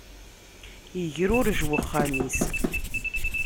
Igrurej uxxam-is.